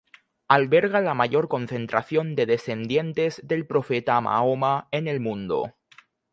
Alberga la mayor concentración de descendientes del profeta Mahoma en el mundo.